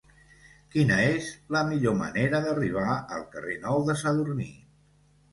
Quina és la millor manera d'arribar al carrer Nou de Sadurní?